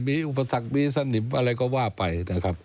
มีอุปสรรคมีสนิมอะไรก็ว่าไป